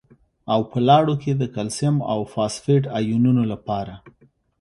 او په لاړو کې د کلسیم او فاسفیټ ایونونو لپاره